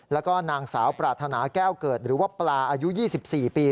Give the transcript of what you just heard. แล้วก็นางสาวปรารถนาแก้วเกิดหรือว่าปลาอายุ๒๔ปี